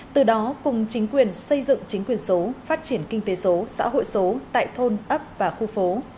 từ đó cùng chính quyền xây dựng chính quyền số phát triển kinh tế số xã hội số tại thôn ấp và khu phố